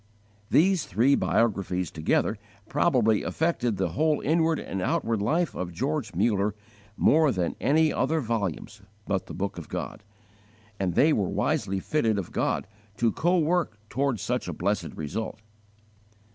These three biographies together probably affected the whole inward and outward life of George Muller more than any other volumes but the Book of God, and they were wisely fitted of God to co work toward such a blessed result.